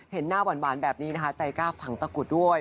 เห็นหน้าหวานแบบนี้นะคะใจกล้าฝังตะกุดด้วย